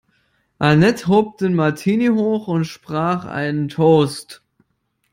Annette hob den Martini hoch und sprach einen Toast.